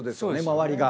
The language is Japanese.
周りが。